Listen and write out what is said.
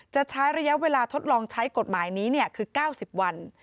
จะใช้ระยะเวลาทดลองใช้กฎหมายนี้คือ๙๐วัน